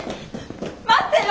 待ってよ！